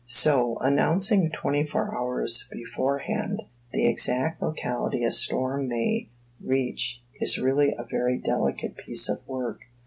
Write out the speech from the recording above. So, announcing twenty four hours beforehand the exact locality a storm may reach is really a very delicate piece of work.